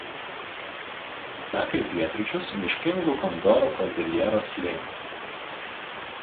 Teka į pietryčius miškingu Kondoro Kordiljeros slėniu.